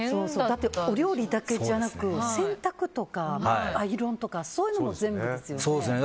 だってお料理だけじゃなく洗濯とかアイロンとか、そういうのも全部ですよね。